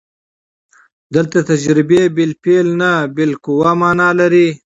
دلته تجربې بالفعل نه، بالقوه مانا لري.